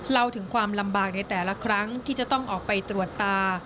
เล่าถึงความลำบากในแต่ละครั้งที่จะต้องออกไปตรวจตา